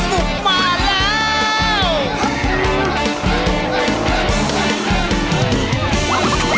บุกมาแล้ว